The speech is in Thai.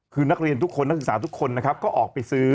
คือนักเรียนทุกคนนักศึกษาทุกคนนะครับก็ออกไปซื้อ